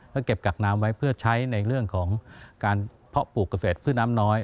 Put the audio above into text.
แล้วเก็บกักน้ำไว้เพื่อใช้ในเรื่องของการเพาะปลูกเกษตรพืชน้ำน้อย